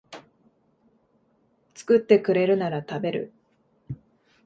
作ってくれるなら食べる